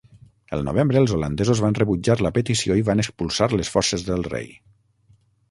El novembre, els holandesos van rebutjar la petició i van expulsar les forces del rei.